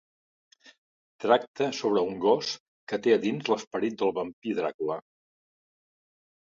Tracta sobre un gos que té a dins l'esperit del vampir Dràcula.